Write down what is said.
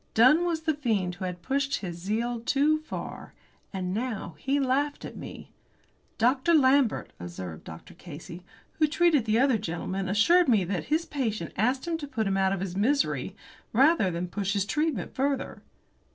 Dunn was the fiend who had pushed his zeal too far. And now he laughed at me! "Dr. Lambert," observed Dr. Casey, "who treated the other gentleman, assured me that his patient asked him to put him out of his misery rather than push his treatment further."